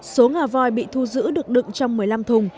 số ngà voi bị thu giữ được đựng trong một mươi năm thùng